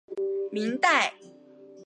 封崇寺的历史年代为明代。